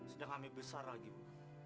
sedang kami besar lagi bu